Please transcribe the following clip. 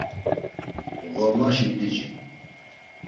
Ğormaşi p̌ici.